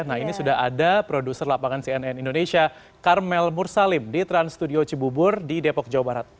nah ini sudah ada produser lapangan cnn indonesia karmel mursalim di trans studio cibubur di depok jawa barat